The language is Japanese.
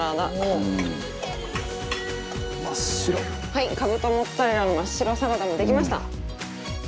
はいカブとモッツァレラの真っ白サラダもできました。